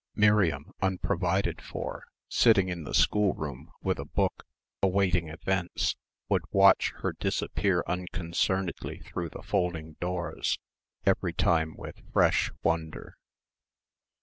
Miriam, unprovided for, sitting in the schoolroom with a book, awaiting events, would watch her disappear unconcernedly through the folding doors, every time with fresh wonder.